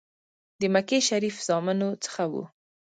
د مکې شریف زامنو څخه وو.